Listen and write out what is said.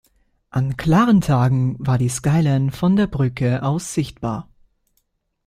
An klaren Tagen war die Skyline von der Brücke aus sichtbar.